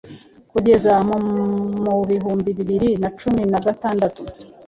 kugeza mu mubihumbi bibiri na cumi nagatandatu